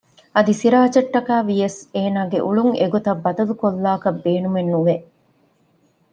އަދި ސިރާޖަށްޓަކައި ވިޔަސް އޭނާގެ އުޅުން އެގޮތަށް ބަދަލު ކޮށްލާކަށް ބޭނުމެއް ނުވެ